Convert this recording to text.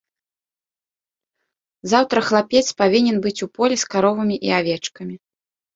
Заўтра хлапец павінен быць у полі з каровамі і авечкамі.